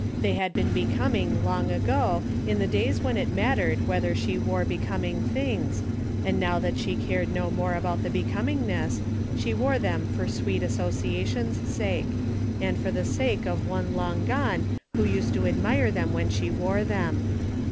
They had been becoming long ago in the days when it mattered whether she wore becoming things, and now that she cared no more about the be comingness, she wore them for sweet associa tion's sake, and for the sake of one long gone who used to admire them when she wore them.